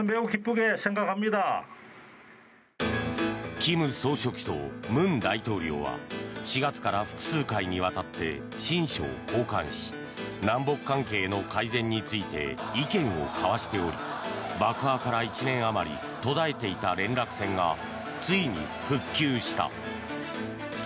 金総書記と文大統領は４月から複数回にわたって親書を交換し南北関係の改善について意見を交わしており爆破から１年あまり途絶えていた連絡線がついに復旧した。